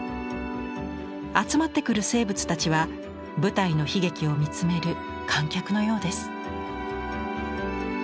集まってくる生物たちは舞台の悲劇を見つめる観客のようです。